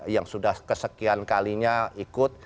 yang sudah kesekian kalinya ikut